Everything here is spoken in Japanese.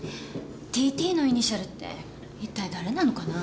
Ｔ．Ｔのイニシャルって一体誰なのかな？